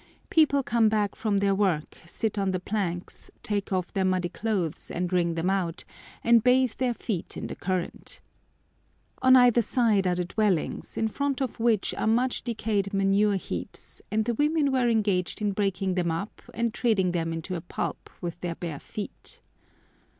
People come back from their work, sit on the planks, take off their muddy clothes and wring them out, and bathe their feet in the current. On either side are the dwellings, in front of which are much decayed manure heaps, and the women were engaged in breaking them up and treading them into a pulp with their bare feet.